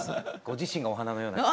ご自身がお花のような。